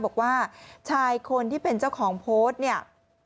บอกว่าชายคนที่เป็นเจ้าของโพสต์เนี่ย